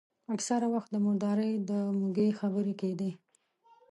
اکثره وخت د مردارۍ د موږي خبرې کېدې.